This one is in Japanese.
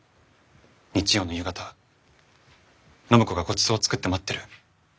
日曜の夕方暢子がごちそうを作って待ってる。